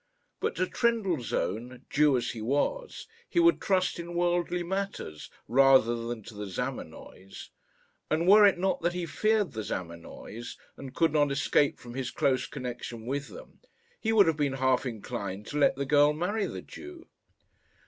But to Trendellsohn, Jew as he was, he would trust in worldly matters, rather than to the Zamenoys; and were it not that he feared the Zamenoys, and could not escape from his close connection with them, he would have been half inclined to let the girl marry the Jew.